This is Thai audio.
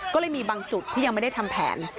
ก็เลยมีบางจุดที่ยังไม่ได้ทำแผน